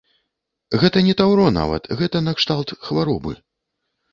Гэта не таўро нават, гэта накшталт хваробы.